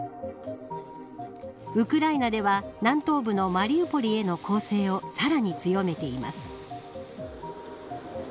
ウクライナでは南東部のマリウポリへの攻勢をさらに強めています。